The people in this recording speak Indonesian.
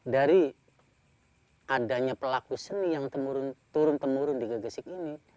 dari adanya pelaku seni yang turun temurun di gegesik ini